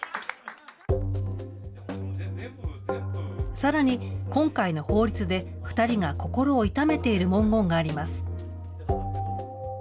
さらに、今回の法律で２人が心を痛めている文言があります。